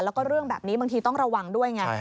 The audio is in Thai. แล้วก็เรื่องแบบนี้บางทีต้องระวังด้วยไง